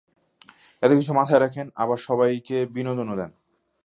এতকিছু মাথায় রাখেন, আবার সবাইকে বিনোদনও দেন।